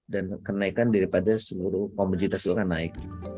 dan kenaikan daripada seluruh komoditas juga naik